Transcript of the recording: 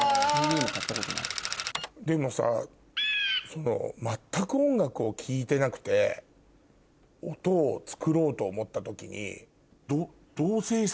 でもさ全く音楽を聴いてなくて音を作ろうと思った時に。